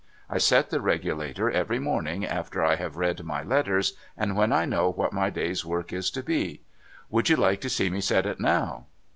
I set the regulator every morning, after I have read my letters, and when I know what my day's work is to be. Would you like to see me set it now?